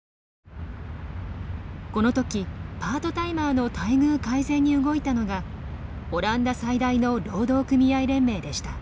この時パートタイマーの待遇改善に動いたのがオランダ最大の労働組合連盟でした。